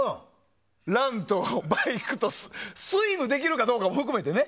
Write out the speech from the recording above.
ランとバイクとスイムもできるかも含めてね。